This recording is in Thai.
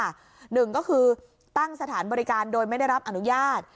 หนึ่งก็คือตั้งสถานบริการโดยไม่ได้รับอนุญาต